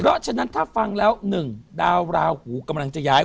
เพราะฉะนั้นถ้าฟังแล้ว๑ดาวราหูกำลังจะย้าย